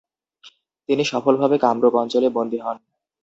তিনি সফলভাবে কামরূপ অঞ্চলে বন্দী হন।